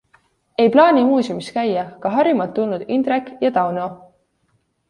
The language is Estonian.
Ei plaani muuseumis käia ka Harjumaalt tulnud Indrek ja Tauno.